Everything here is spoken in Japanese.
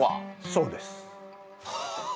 そうです。